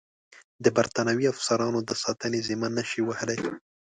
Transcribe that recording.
د برټانوي افسرانو د ساتنې ذمه نه شي وهلای.